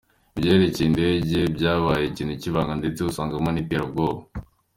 Ibyerekeye indege byabaye ikintu kibanga ndetse usangamo n’iterabwoba.